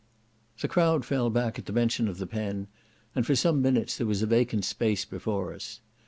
The crowd fell back at the mention of the pen, and for some minutes there was a vacant space before us.